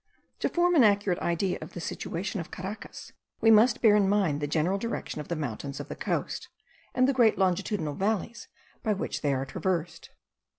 To form an accurate idea of the situation of Caracas, we must bear in mind the general direction of the mountains of the coast, and the great longitudinal valleys by which they are traversed.